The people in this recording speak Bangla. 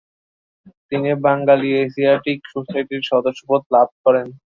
তিনি বেঙ্গালি এশিয়াটিক সোসাইটির সদস্যপদ লাভ করেন।